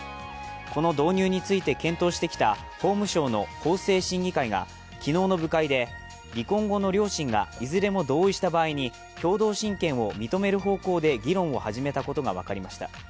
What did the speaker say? この導入について検討してきた法務省の法制審議会が昨日の部会で、離婚後の両親がいずれも同意した場合に共同親権を認める方向で議論を始めたことが分かりました。